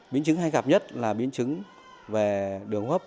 biến chứng hay gặp nhất là biến chứng về đường hấp